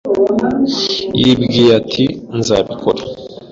Yibwiye ati: "Nzabikora."